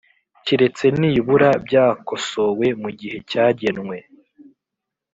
keretse ibibura byakosowe mu gihe cyagenwe